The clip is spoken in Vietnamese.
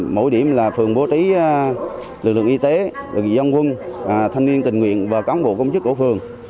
mỗi điểm là phường bố trí lực lượng y tế lực lượng dân quân thanh niên tình nguyện và cán bộ công chức của phường